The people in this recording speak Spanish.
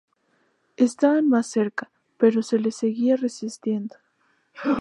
Estaban más cerca, pero se les seguía resistiendo.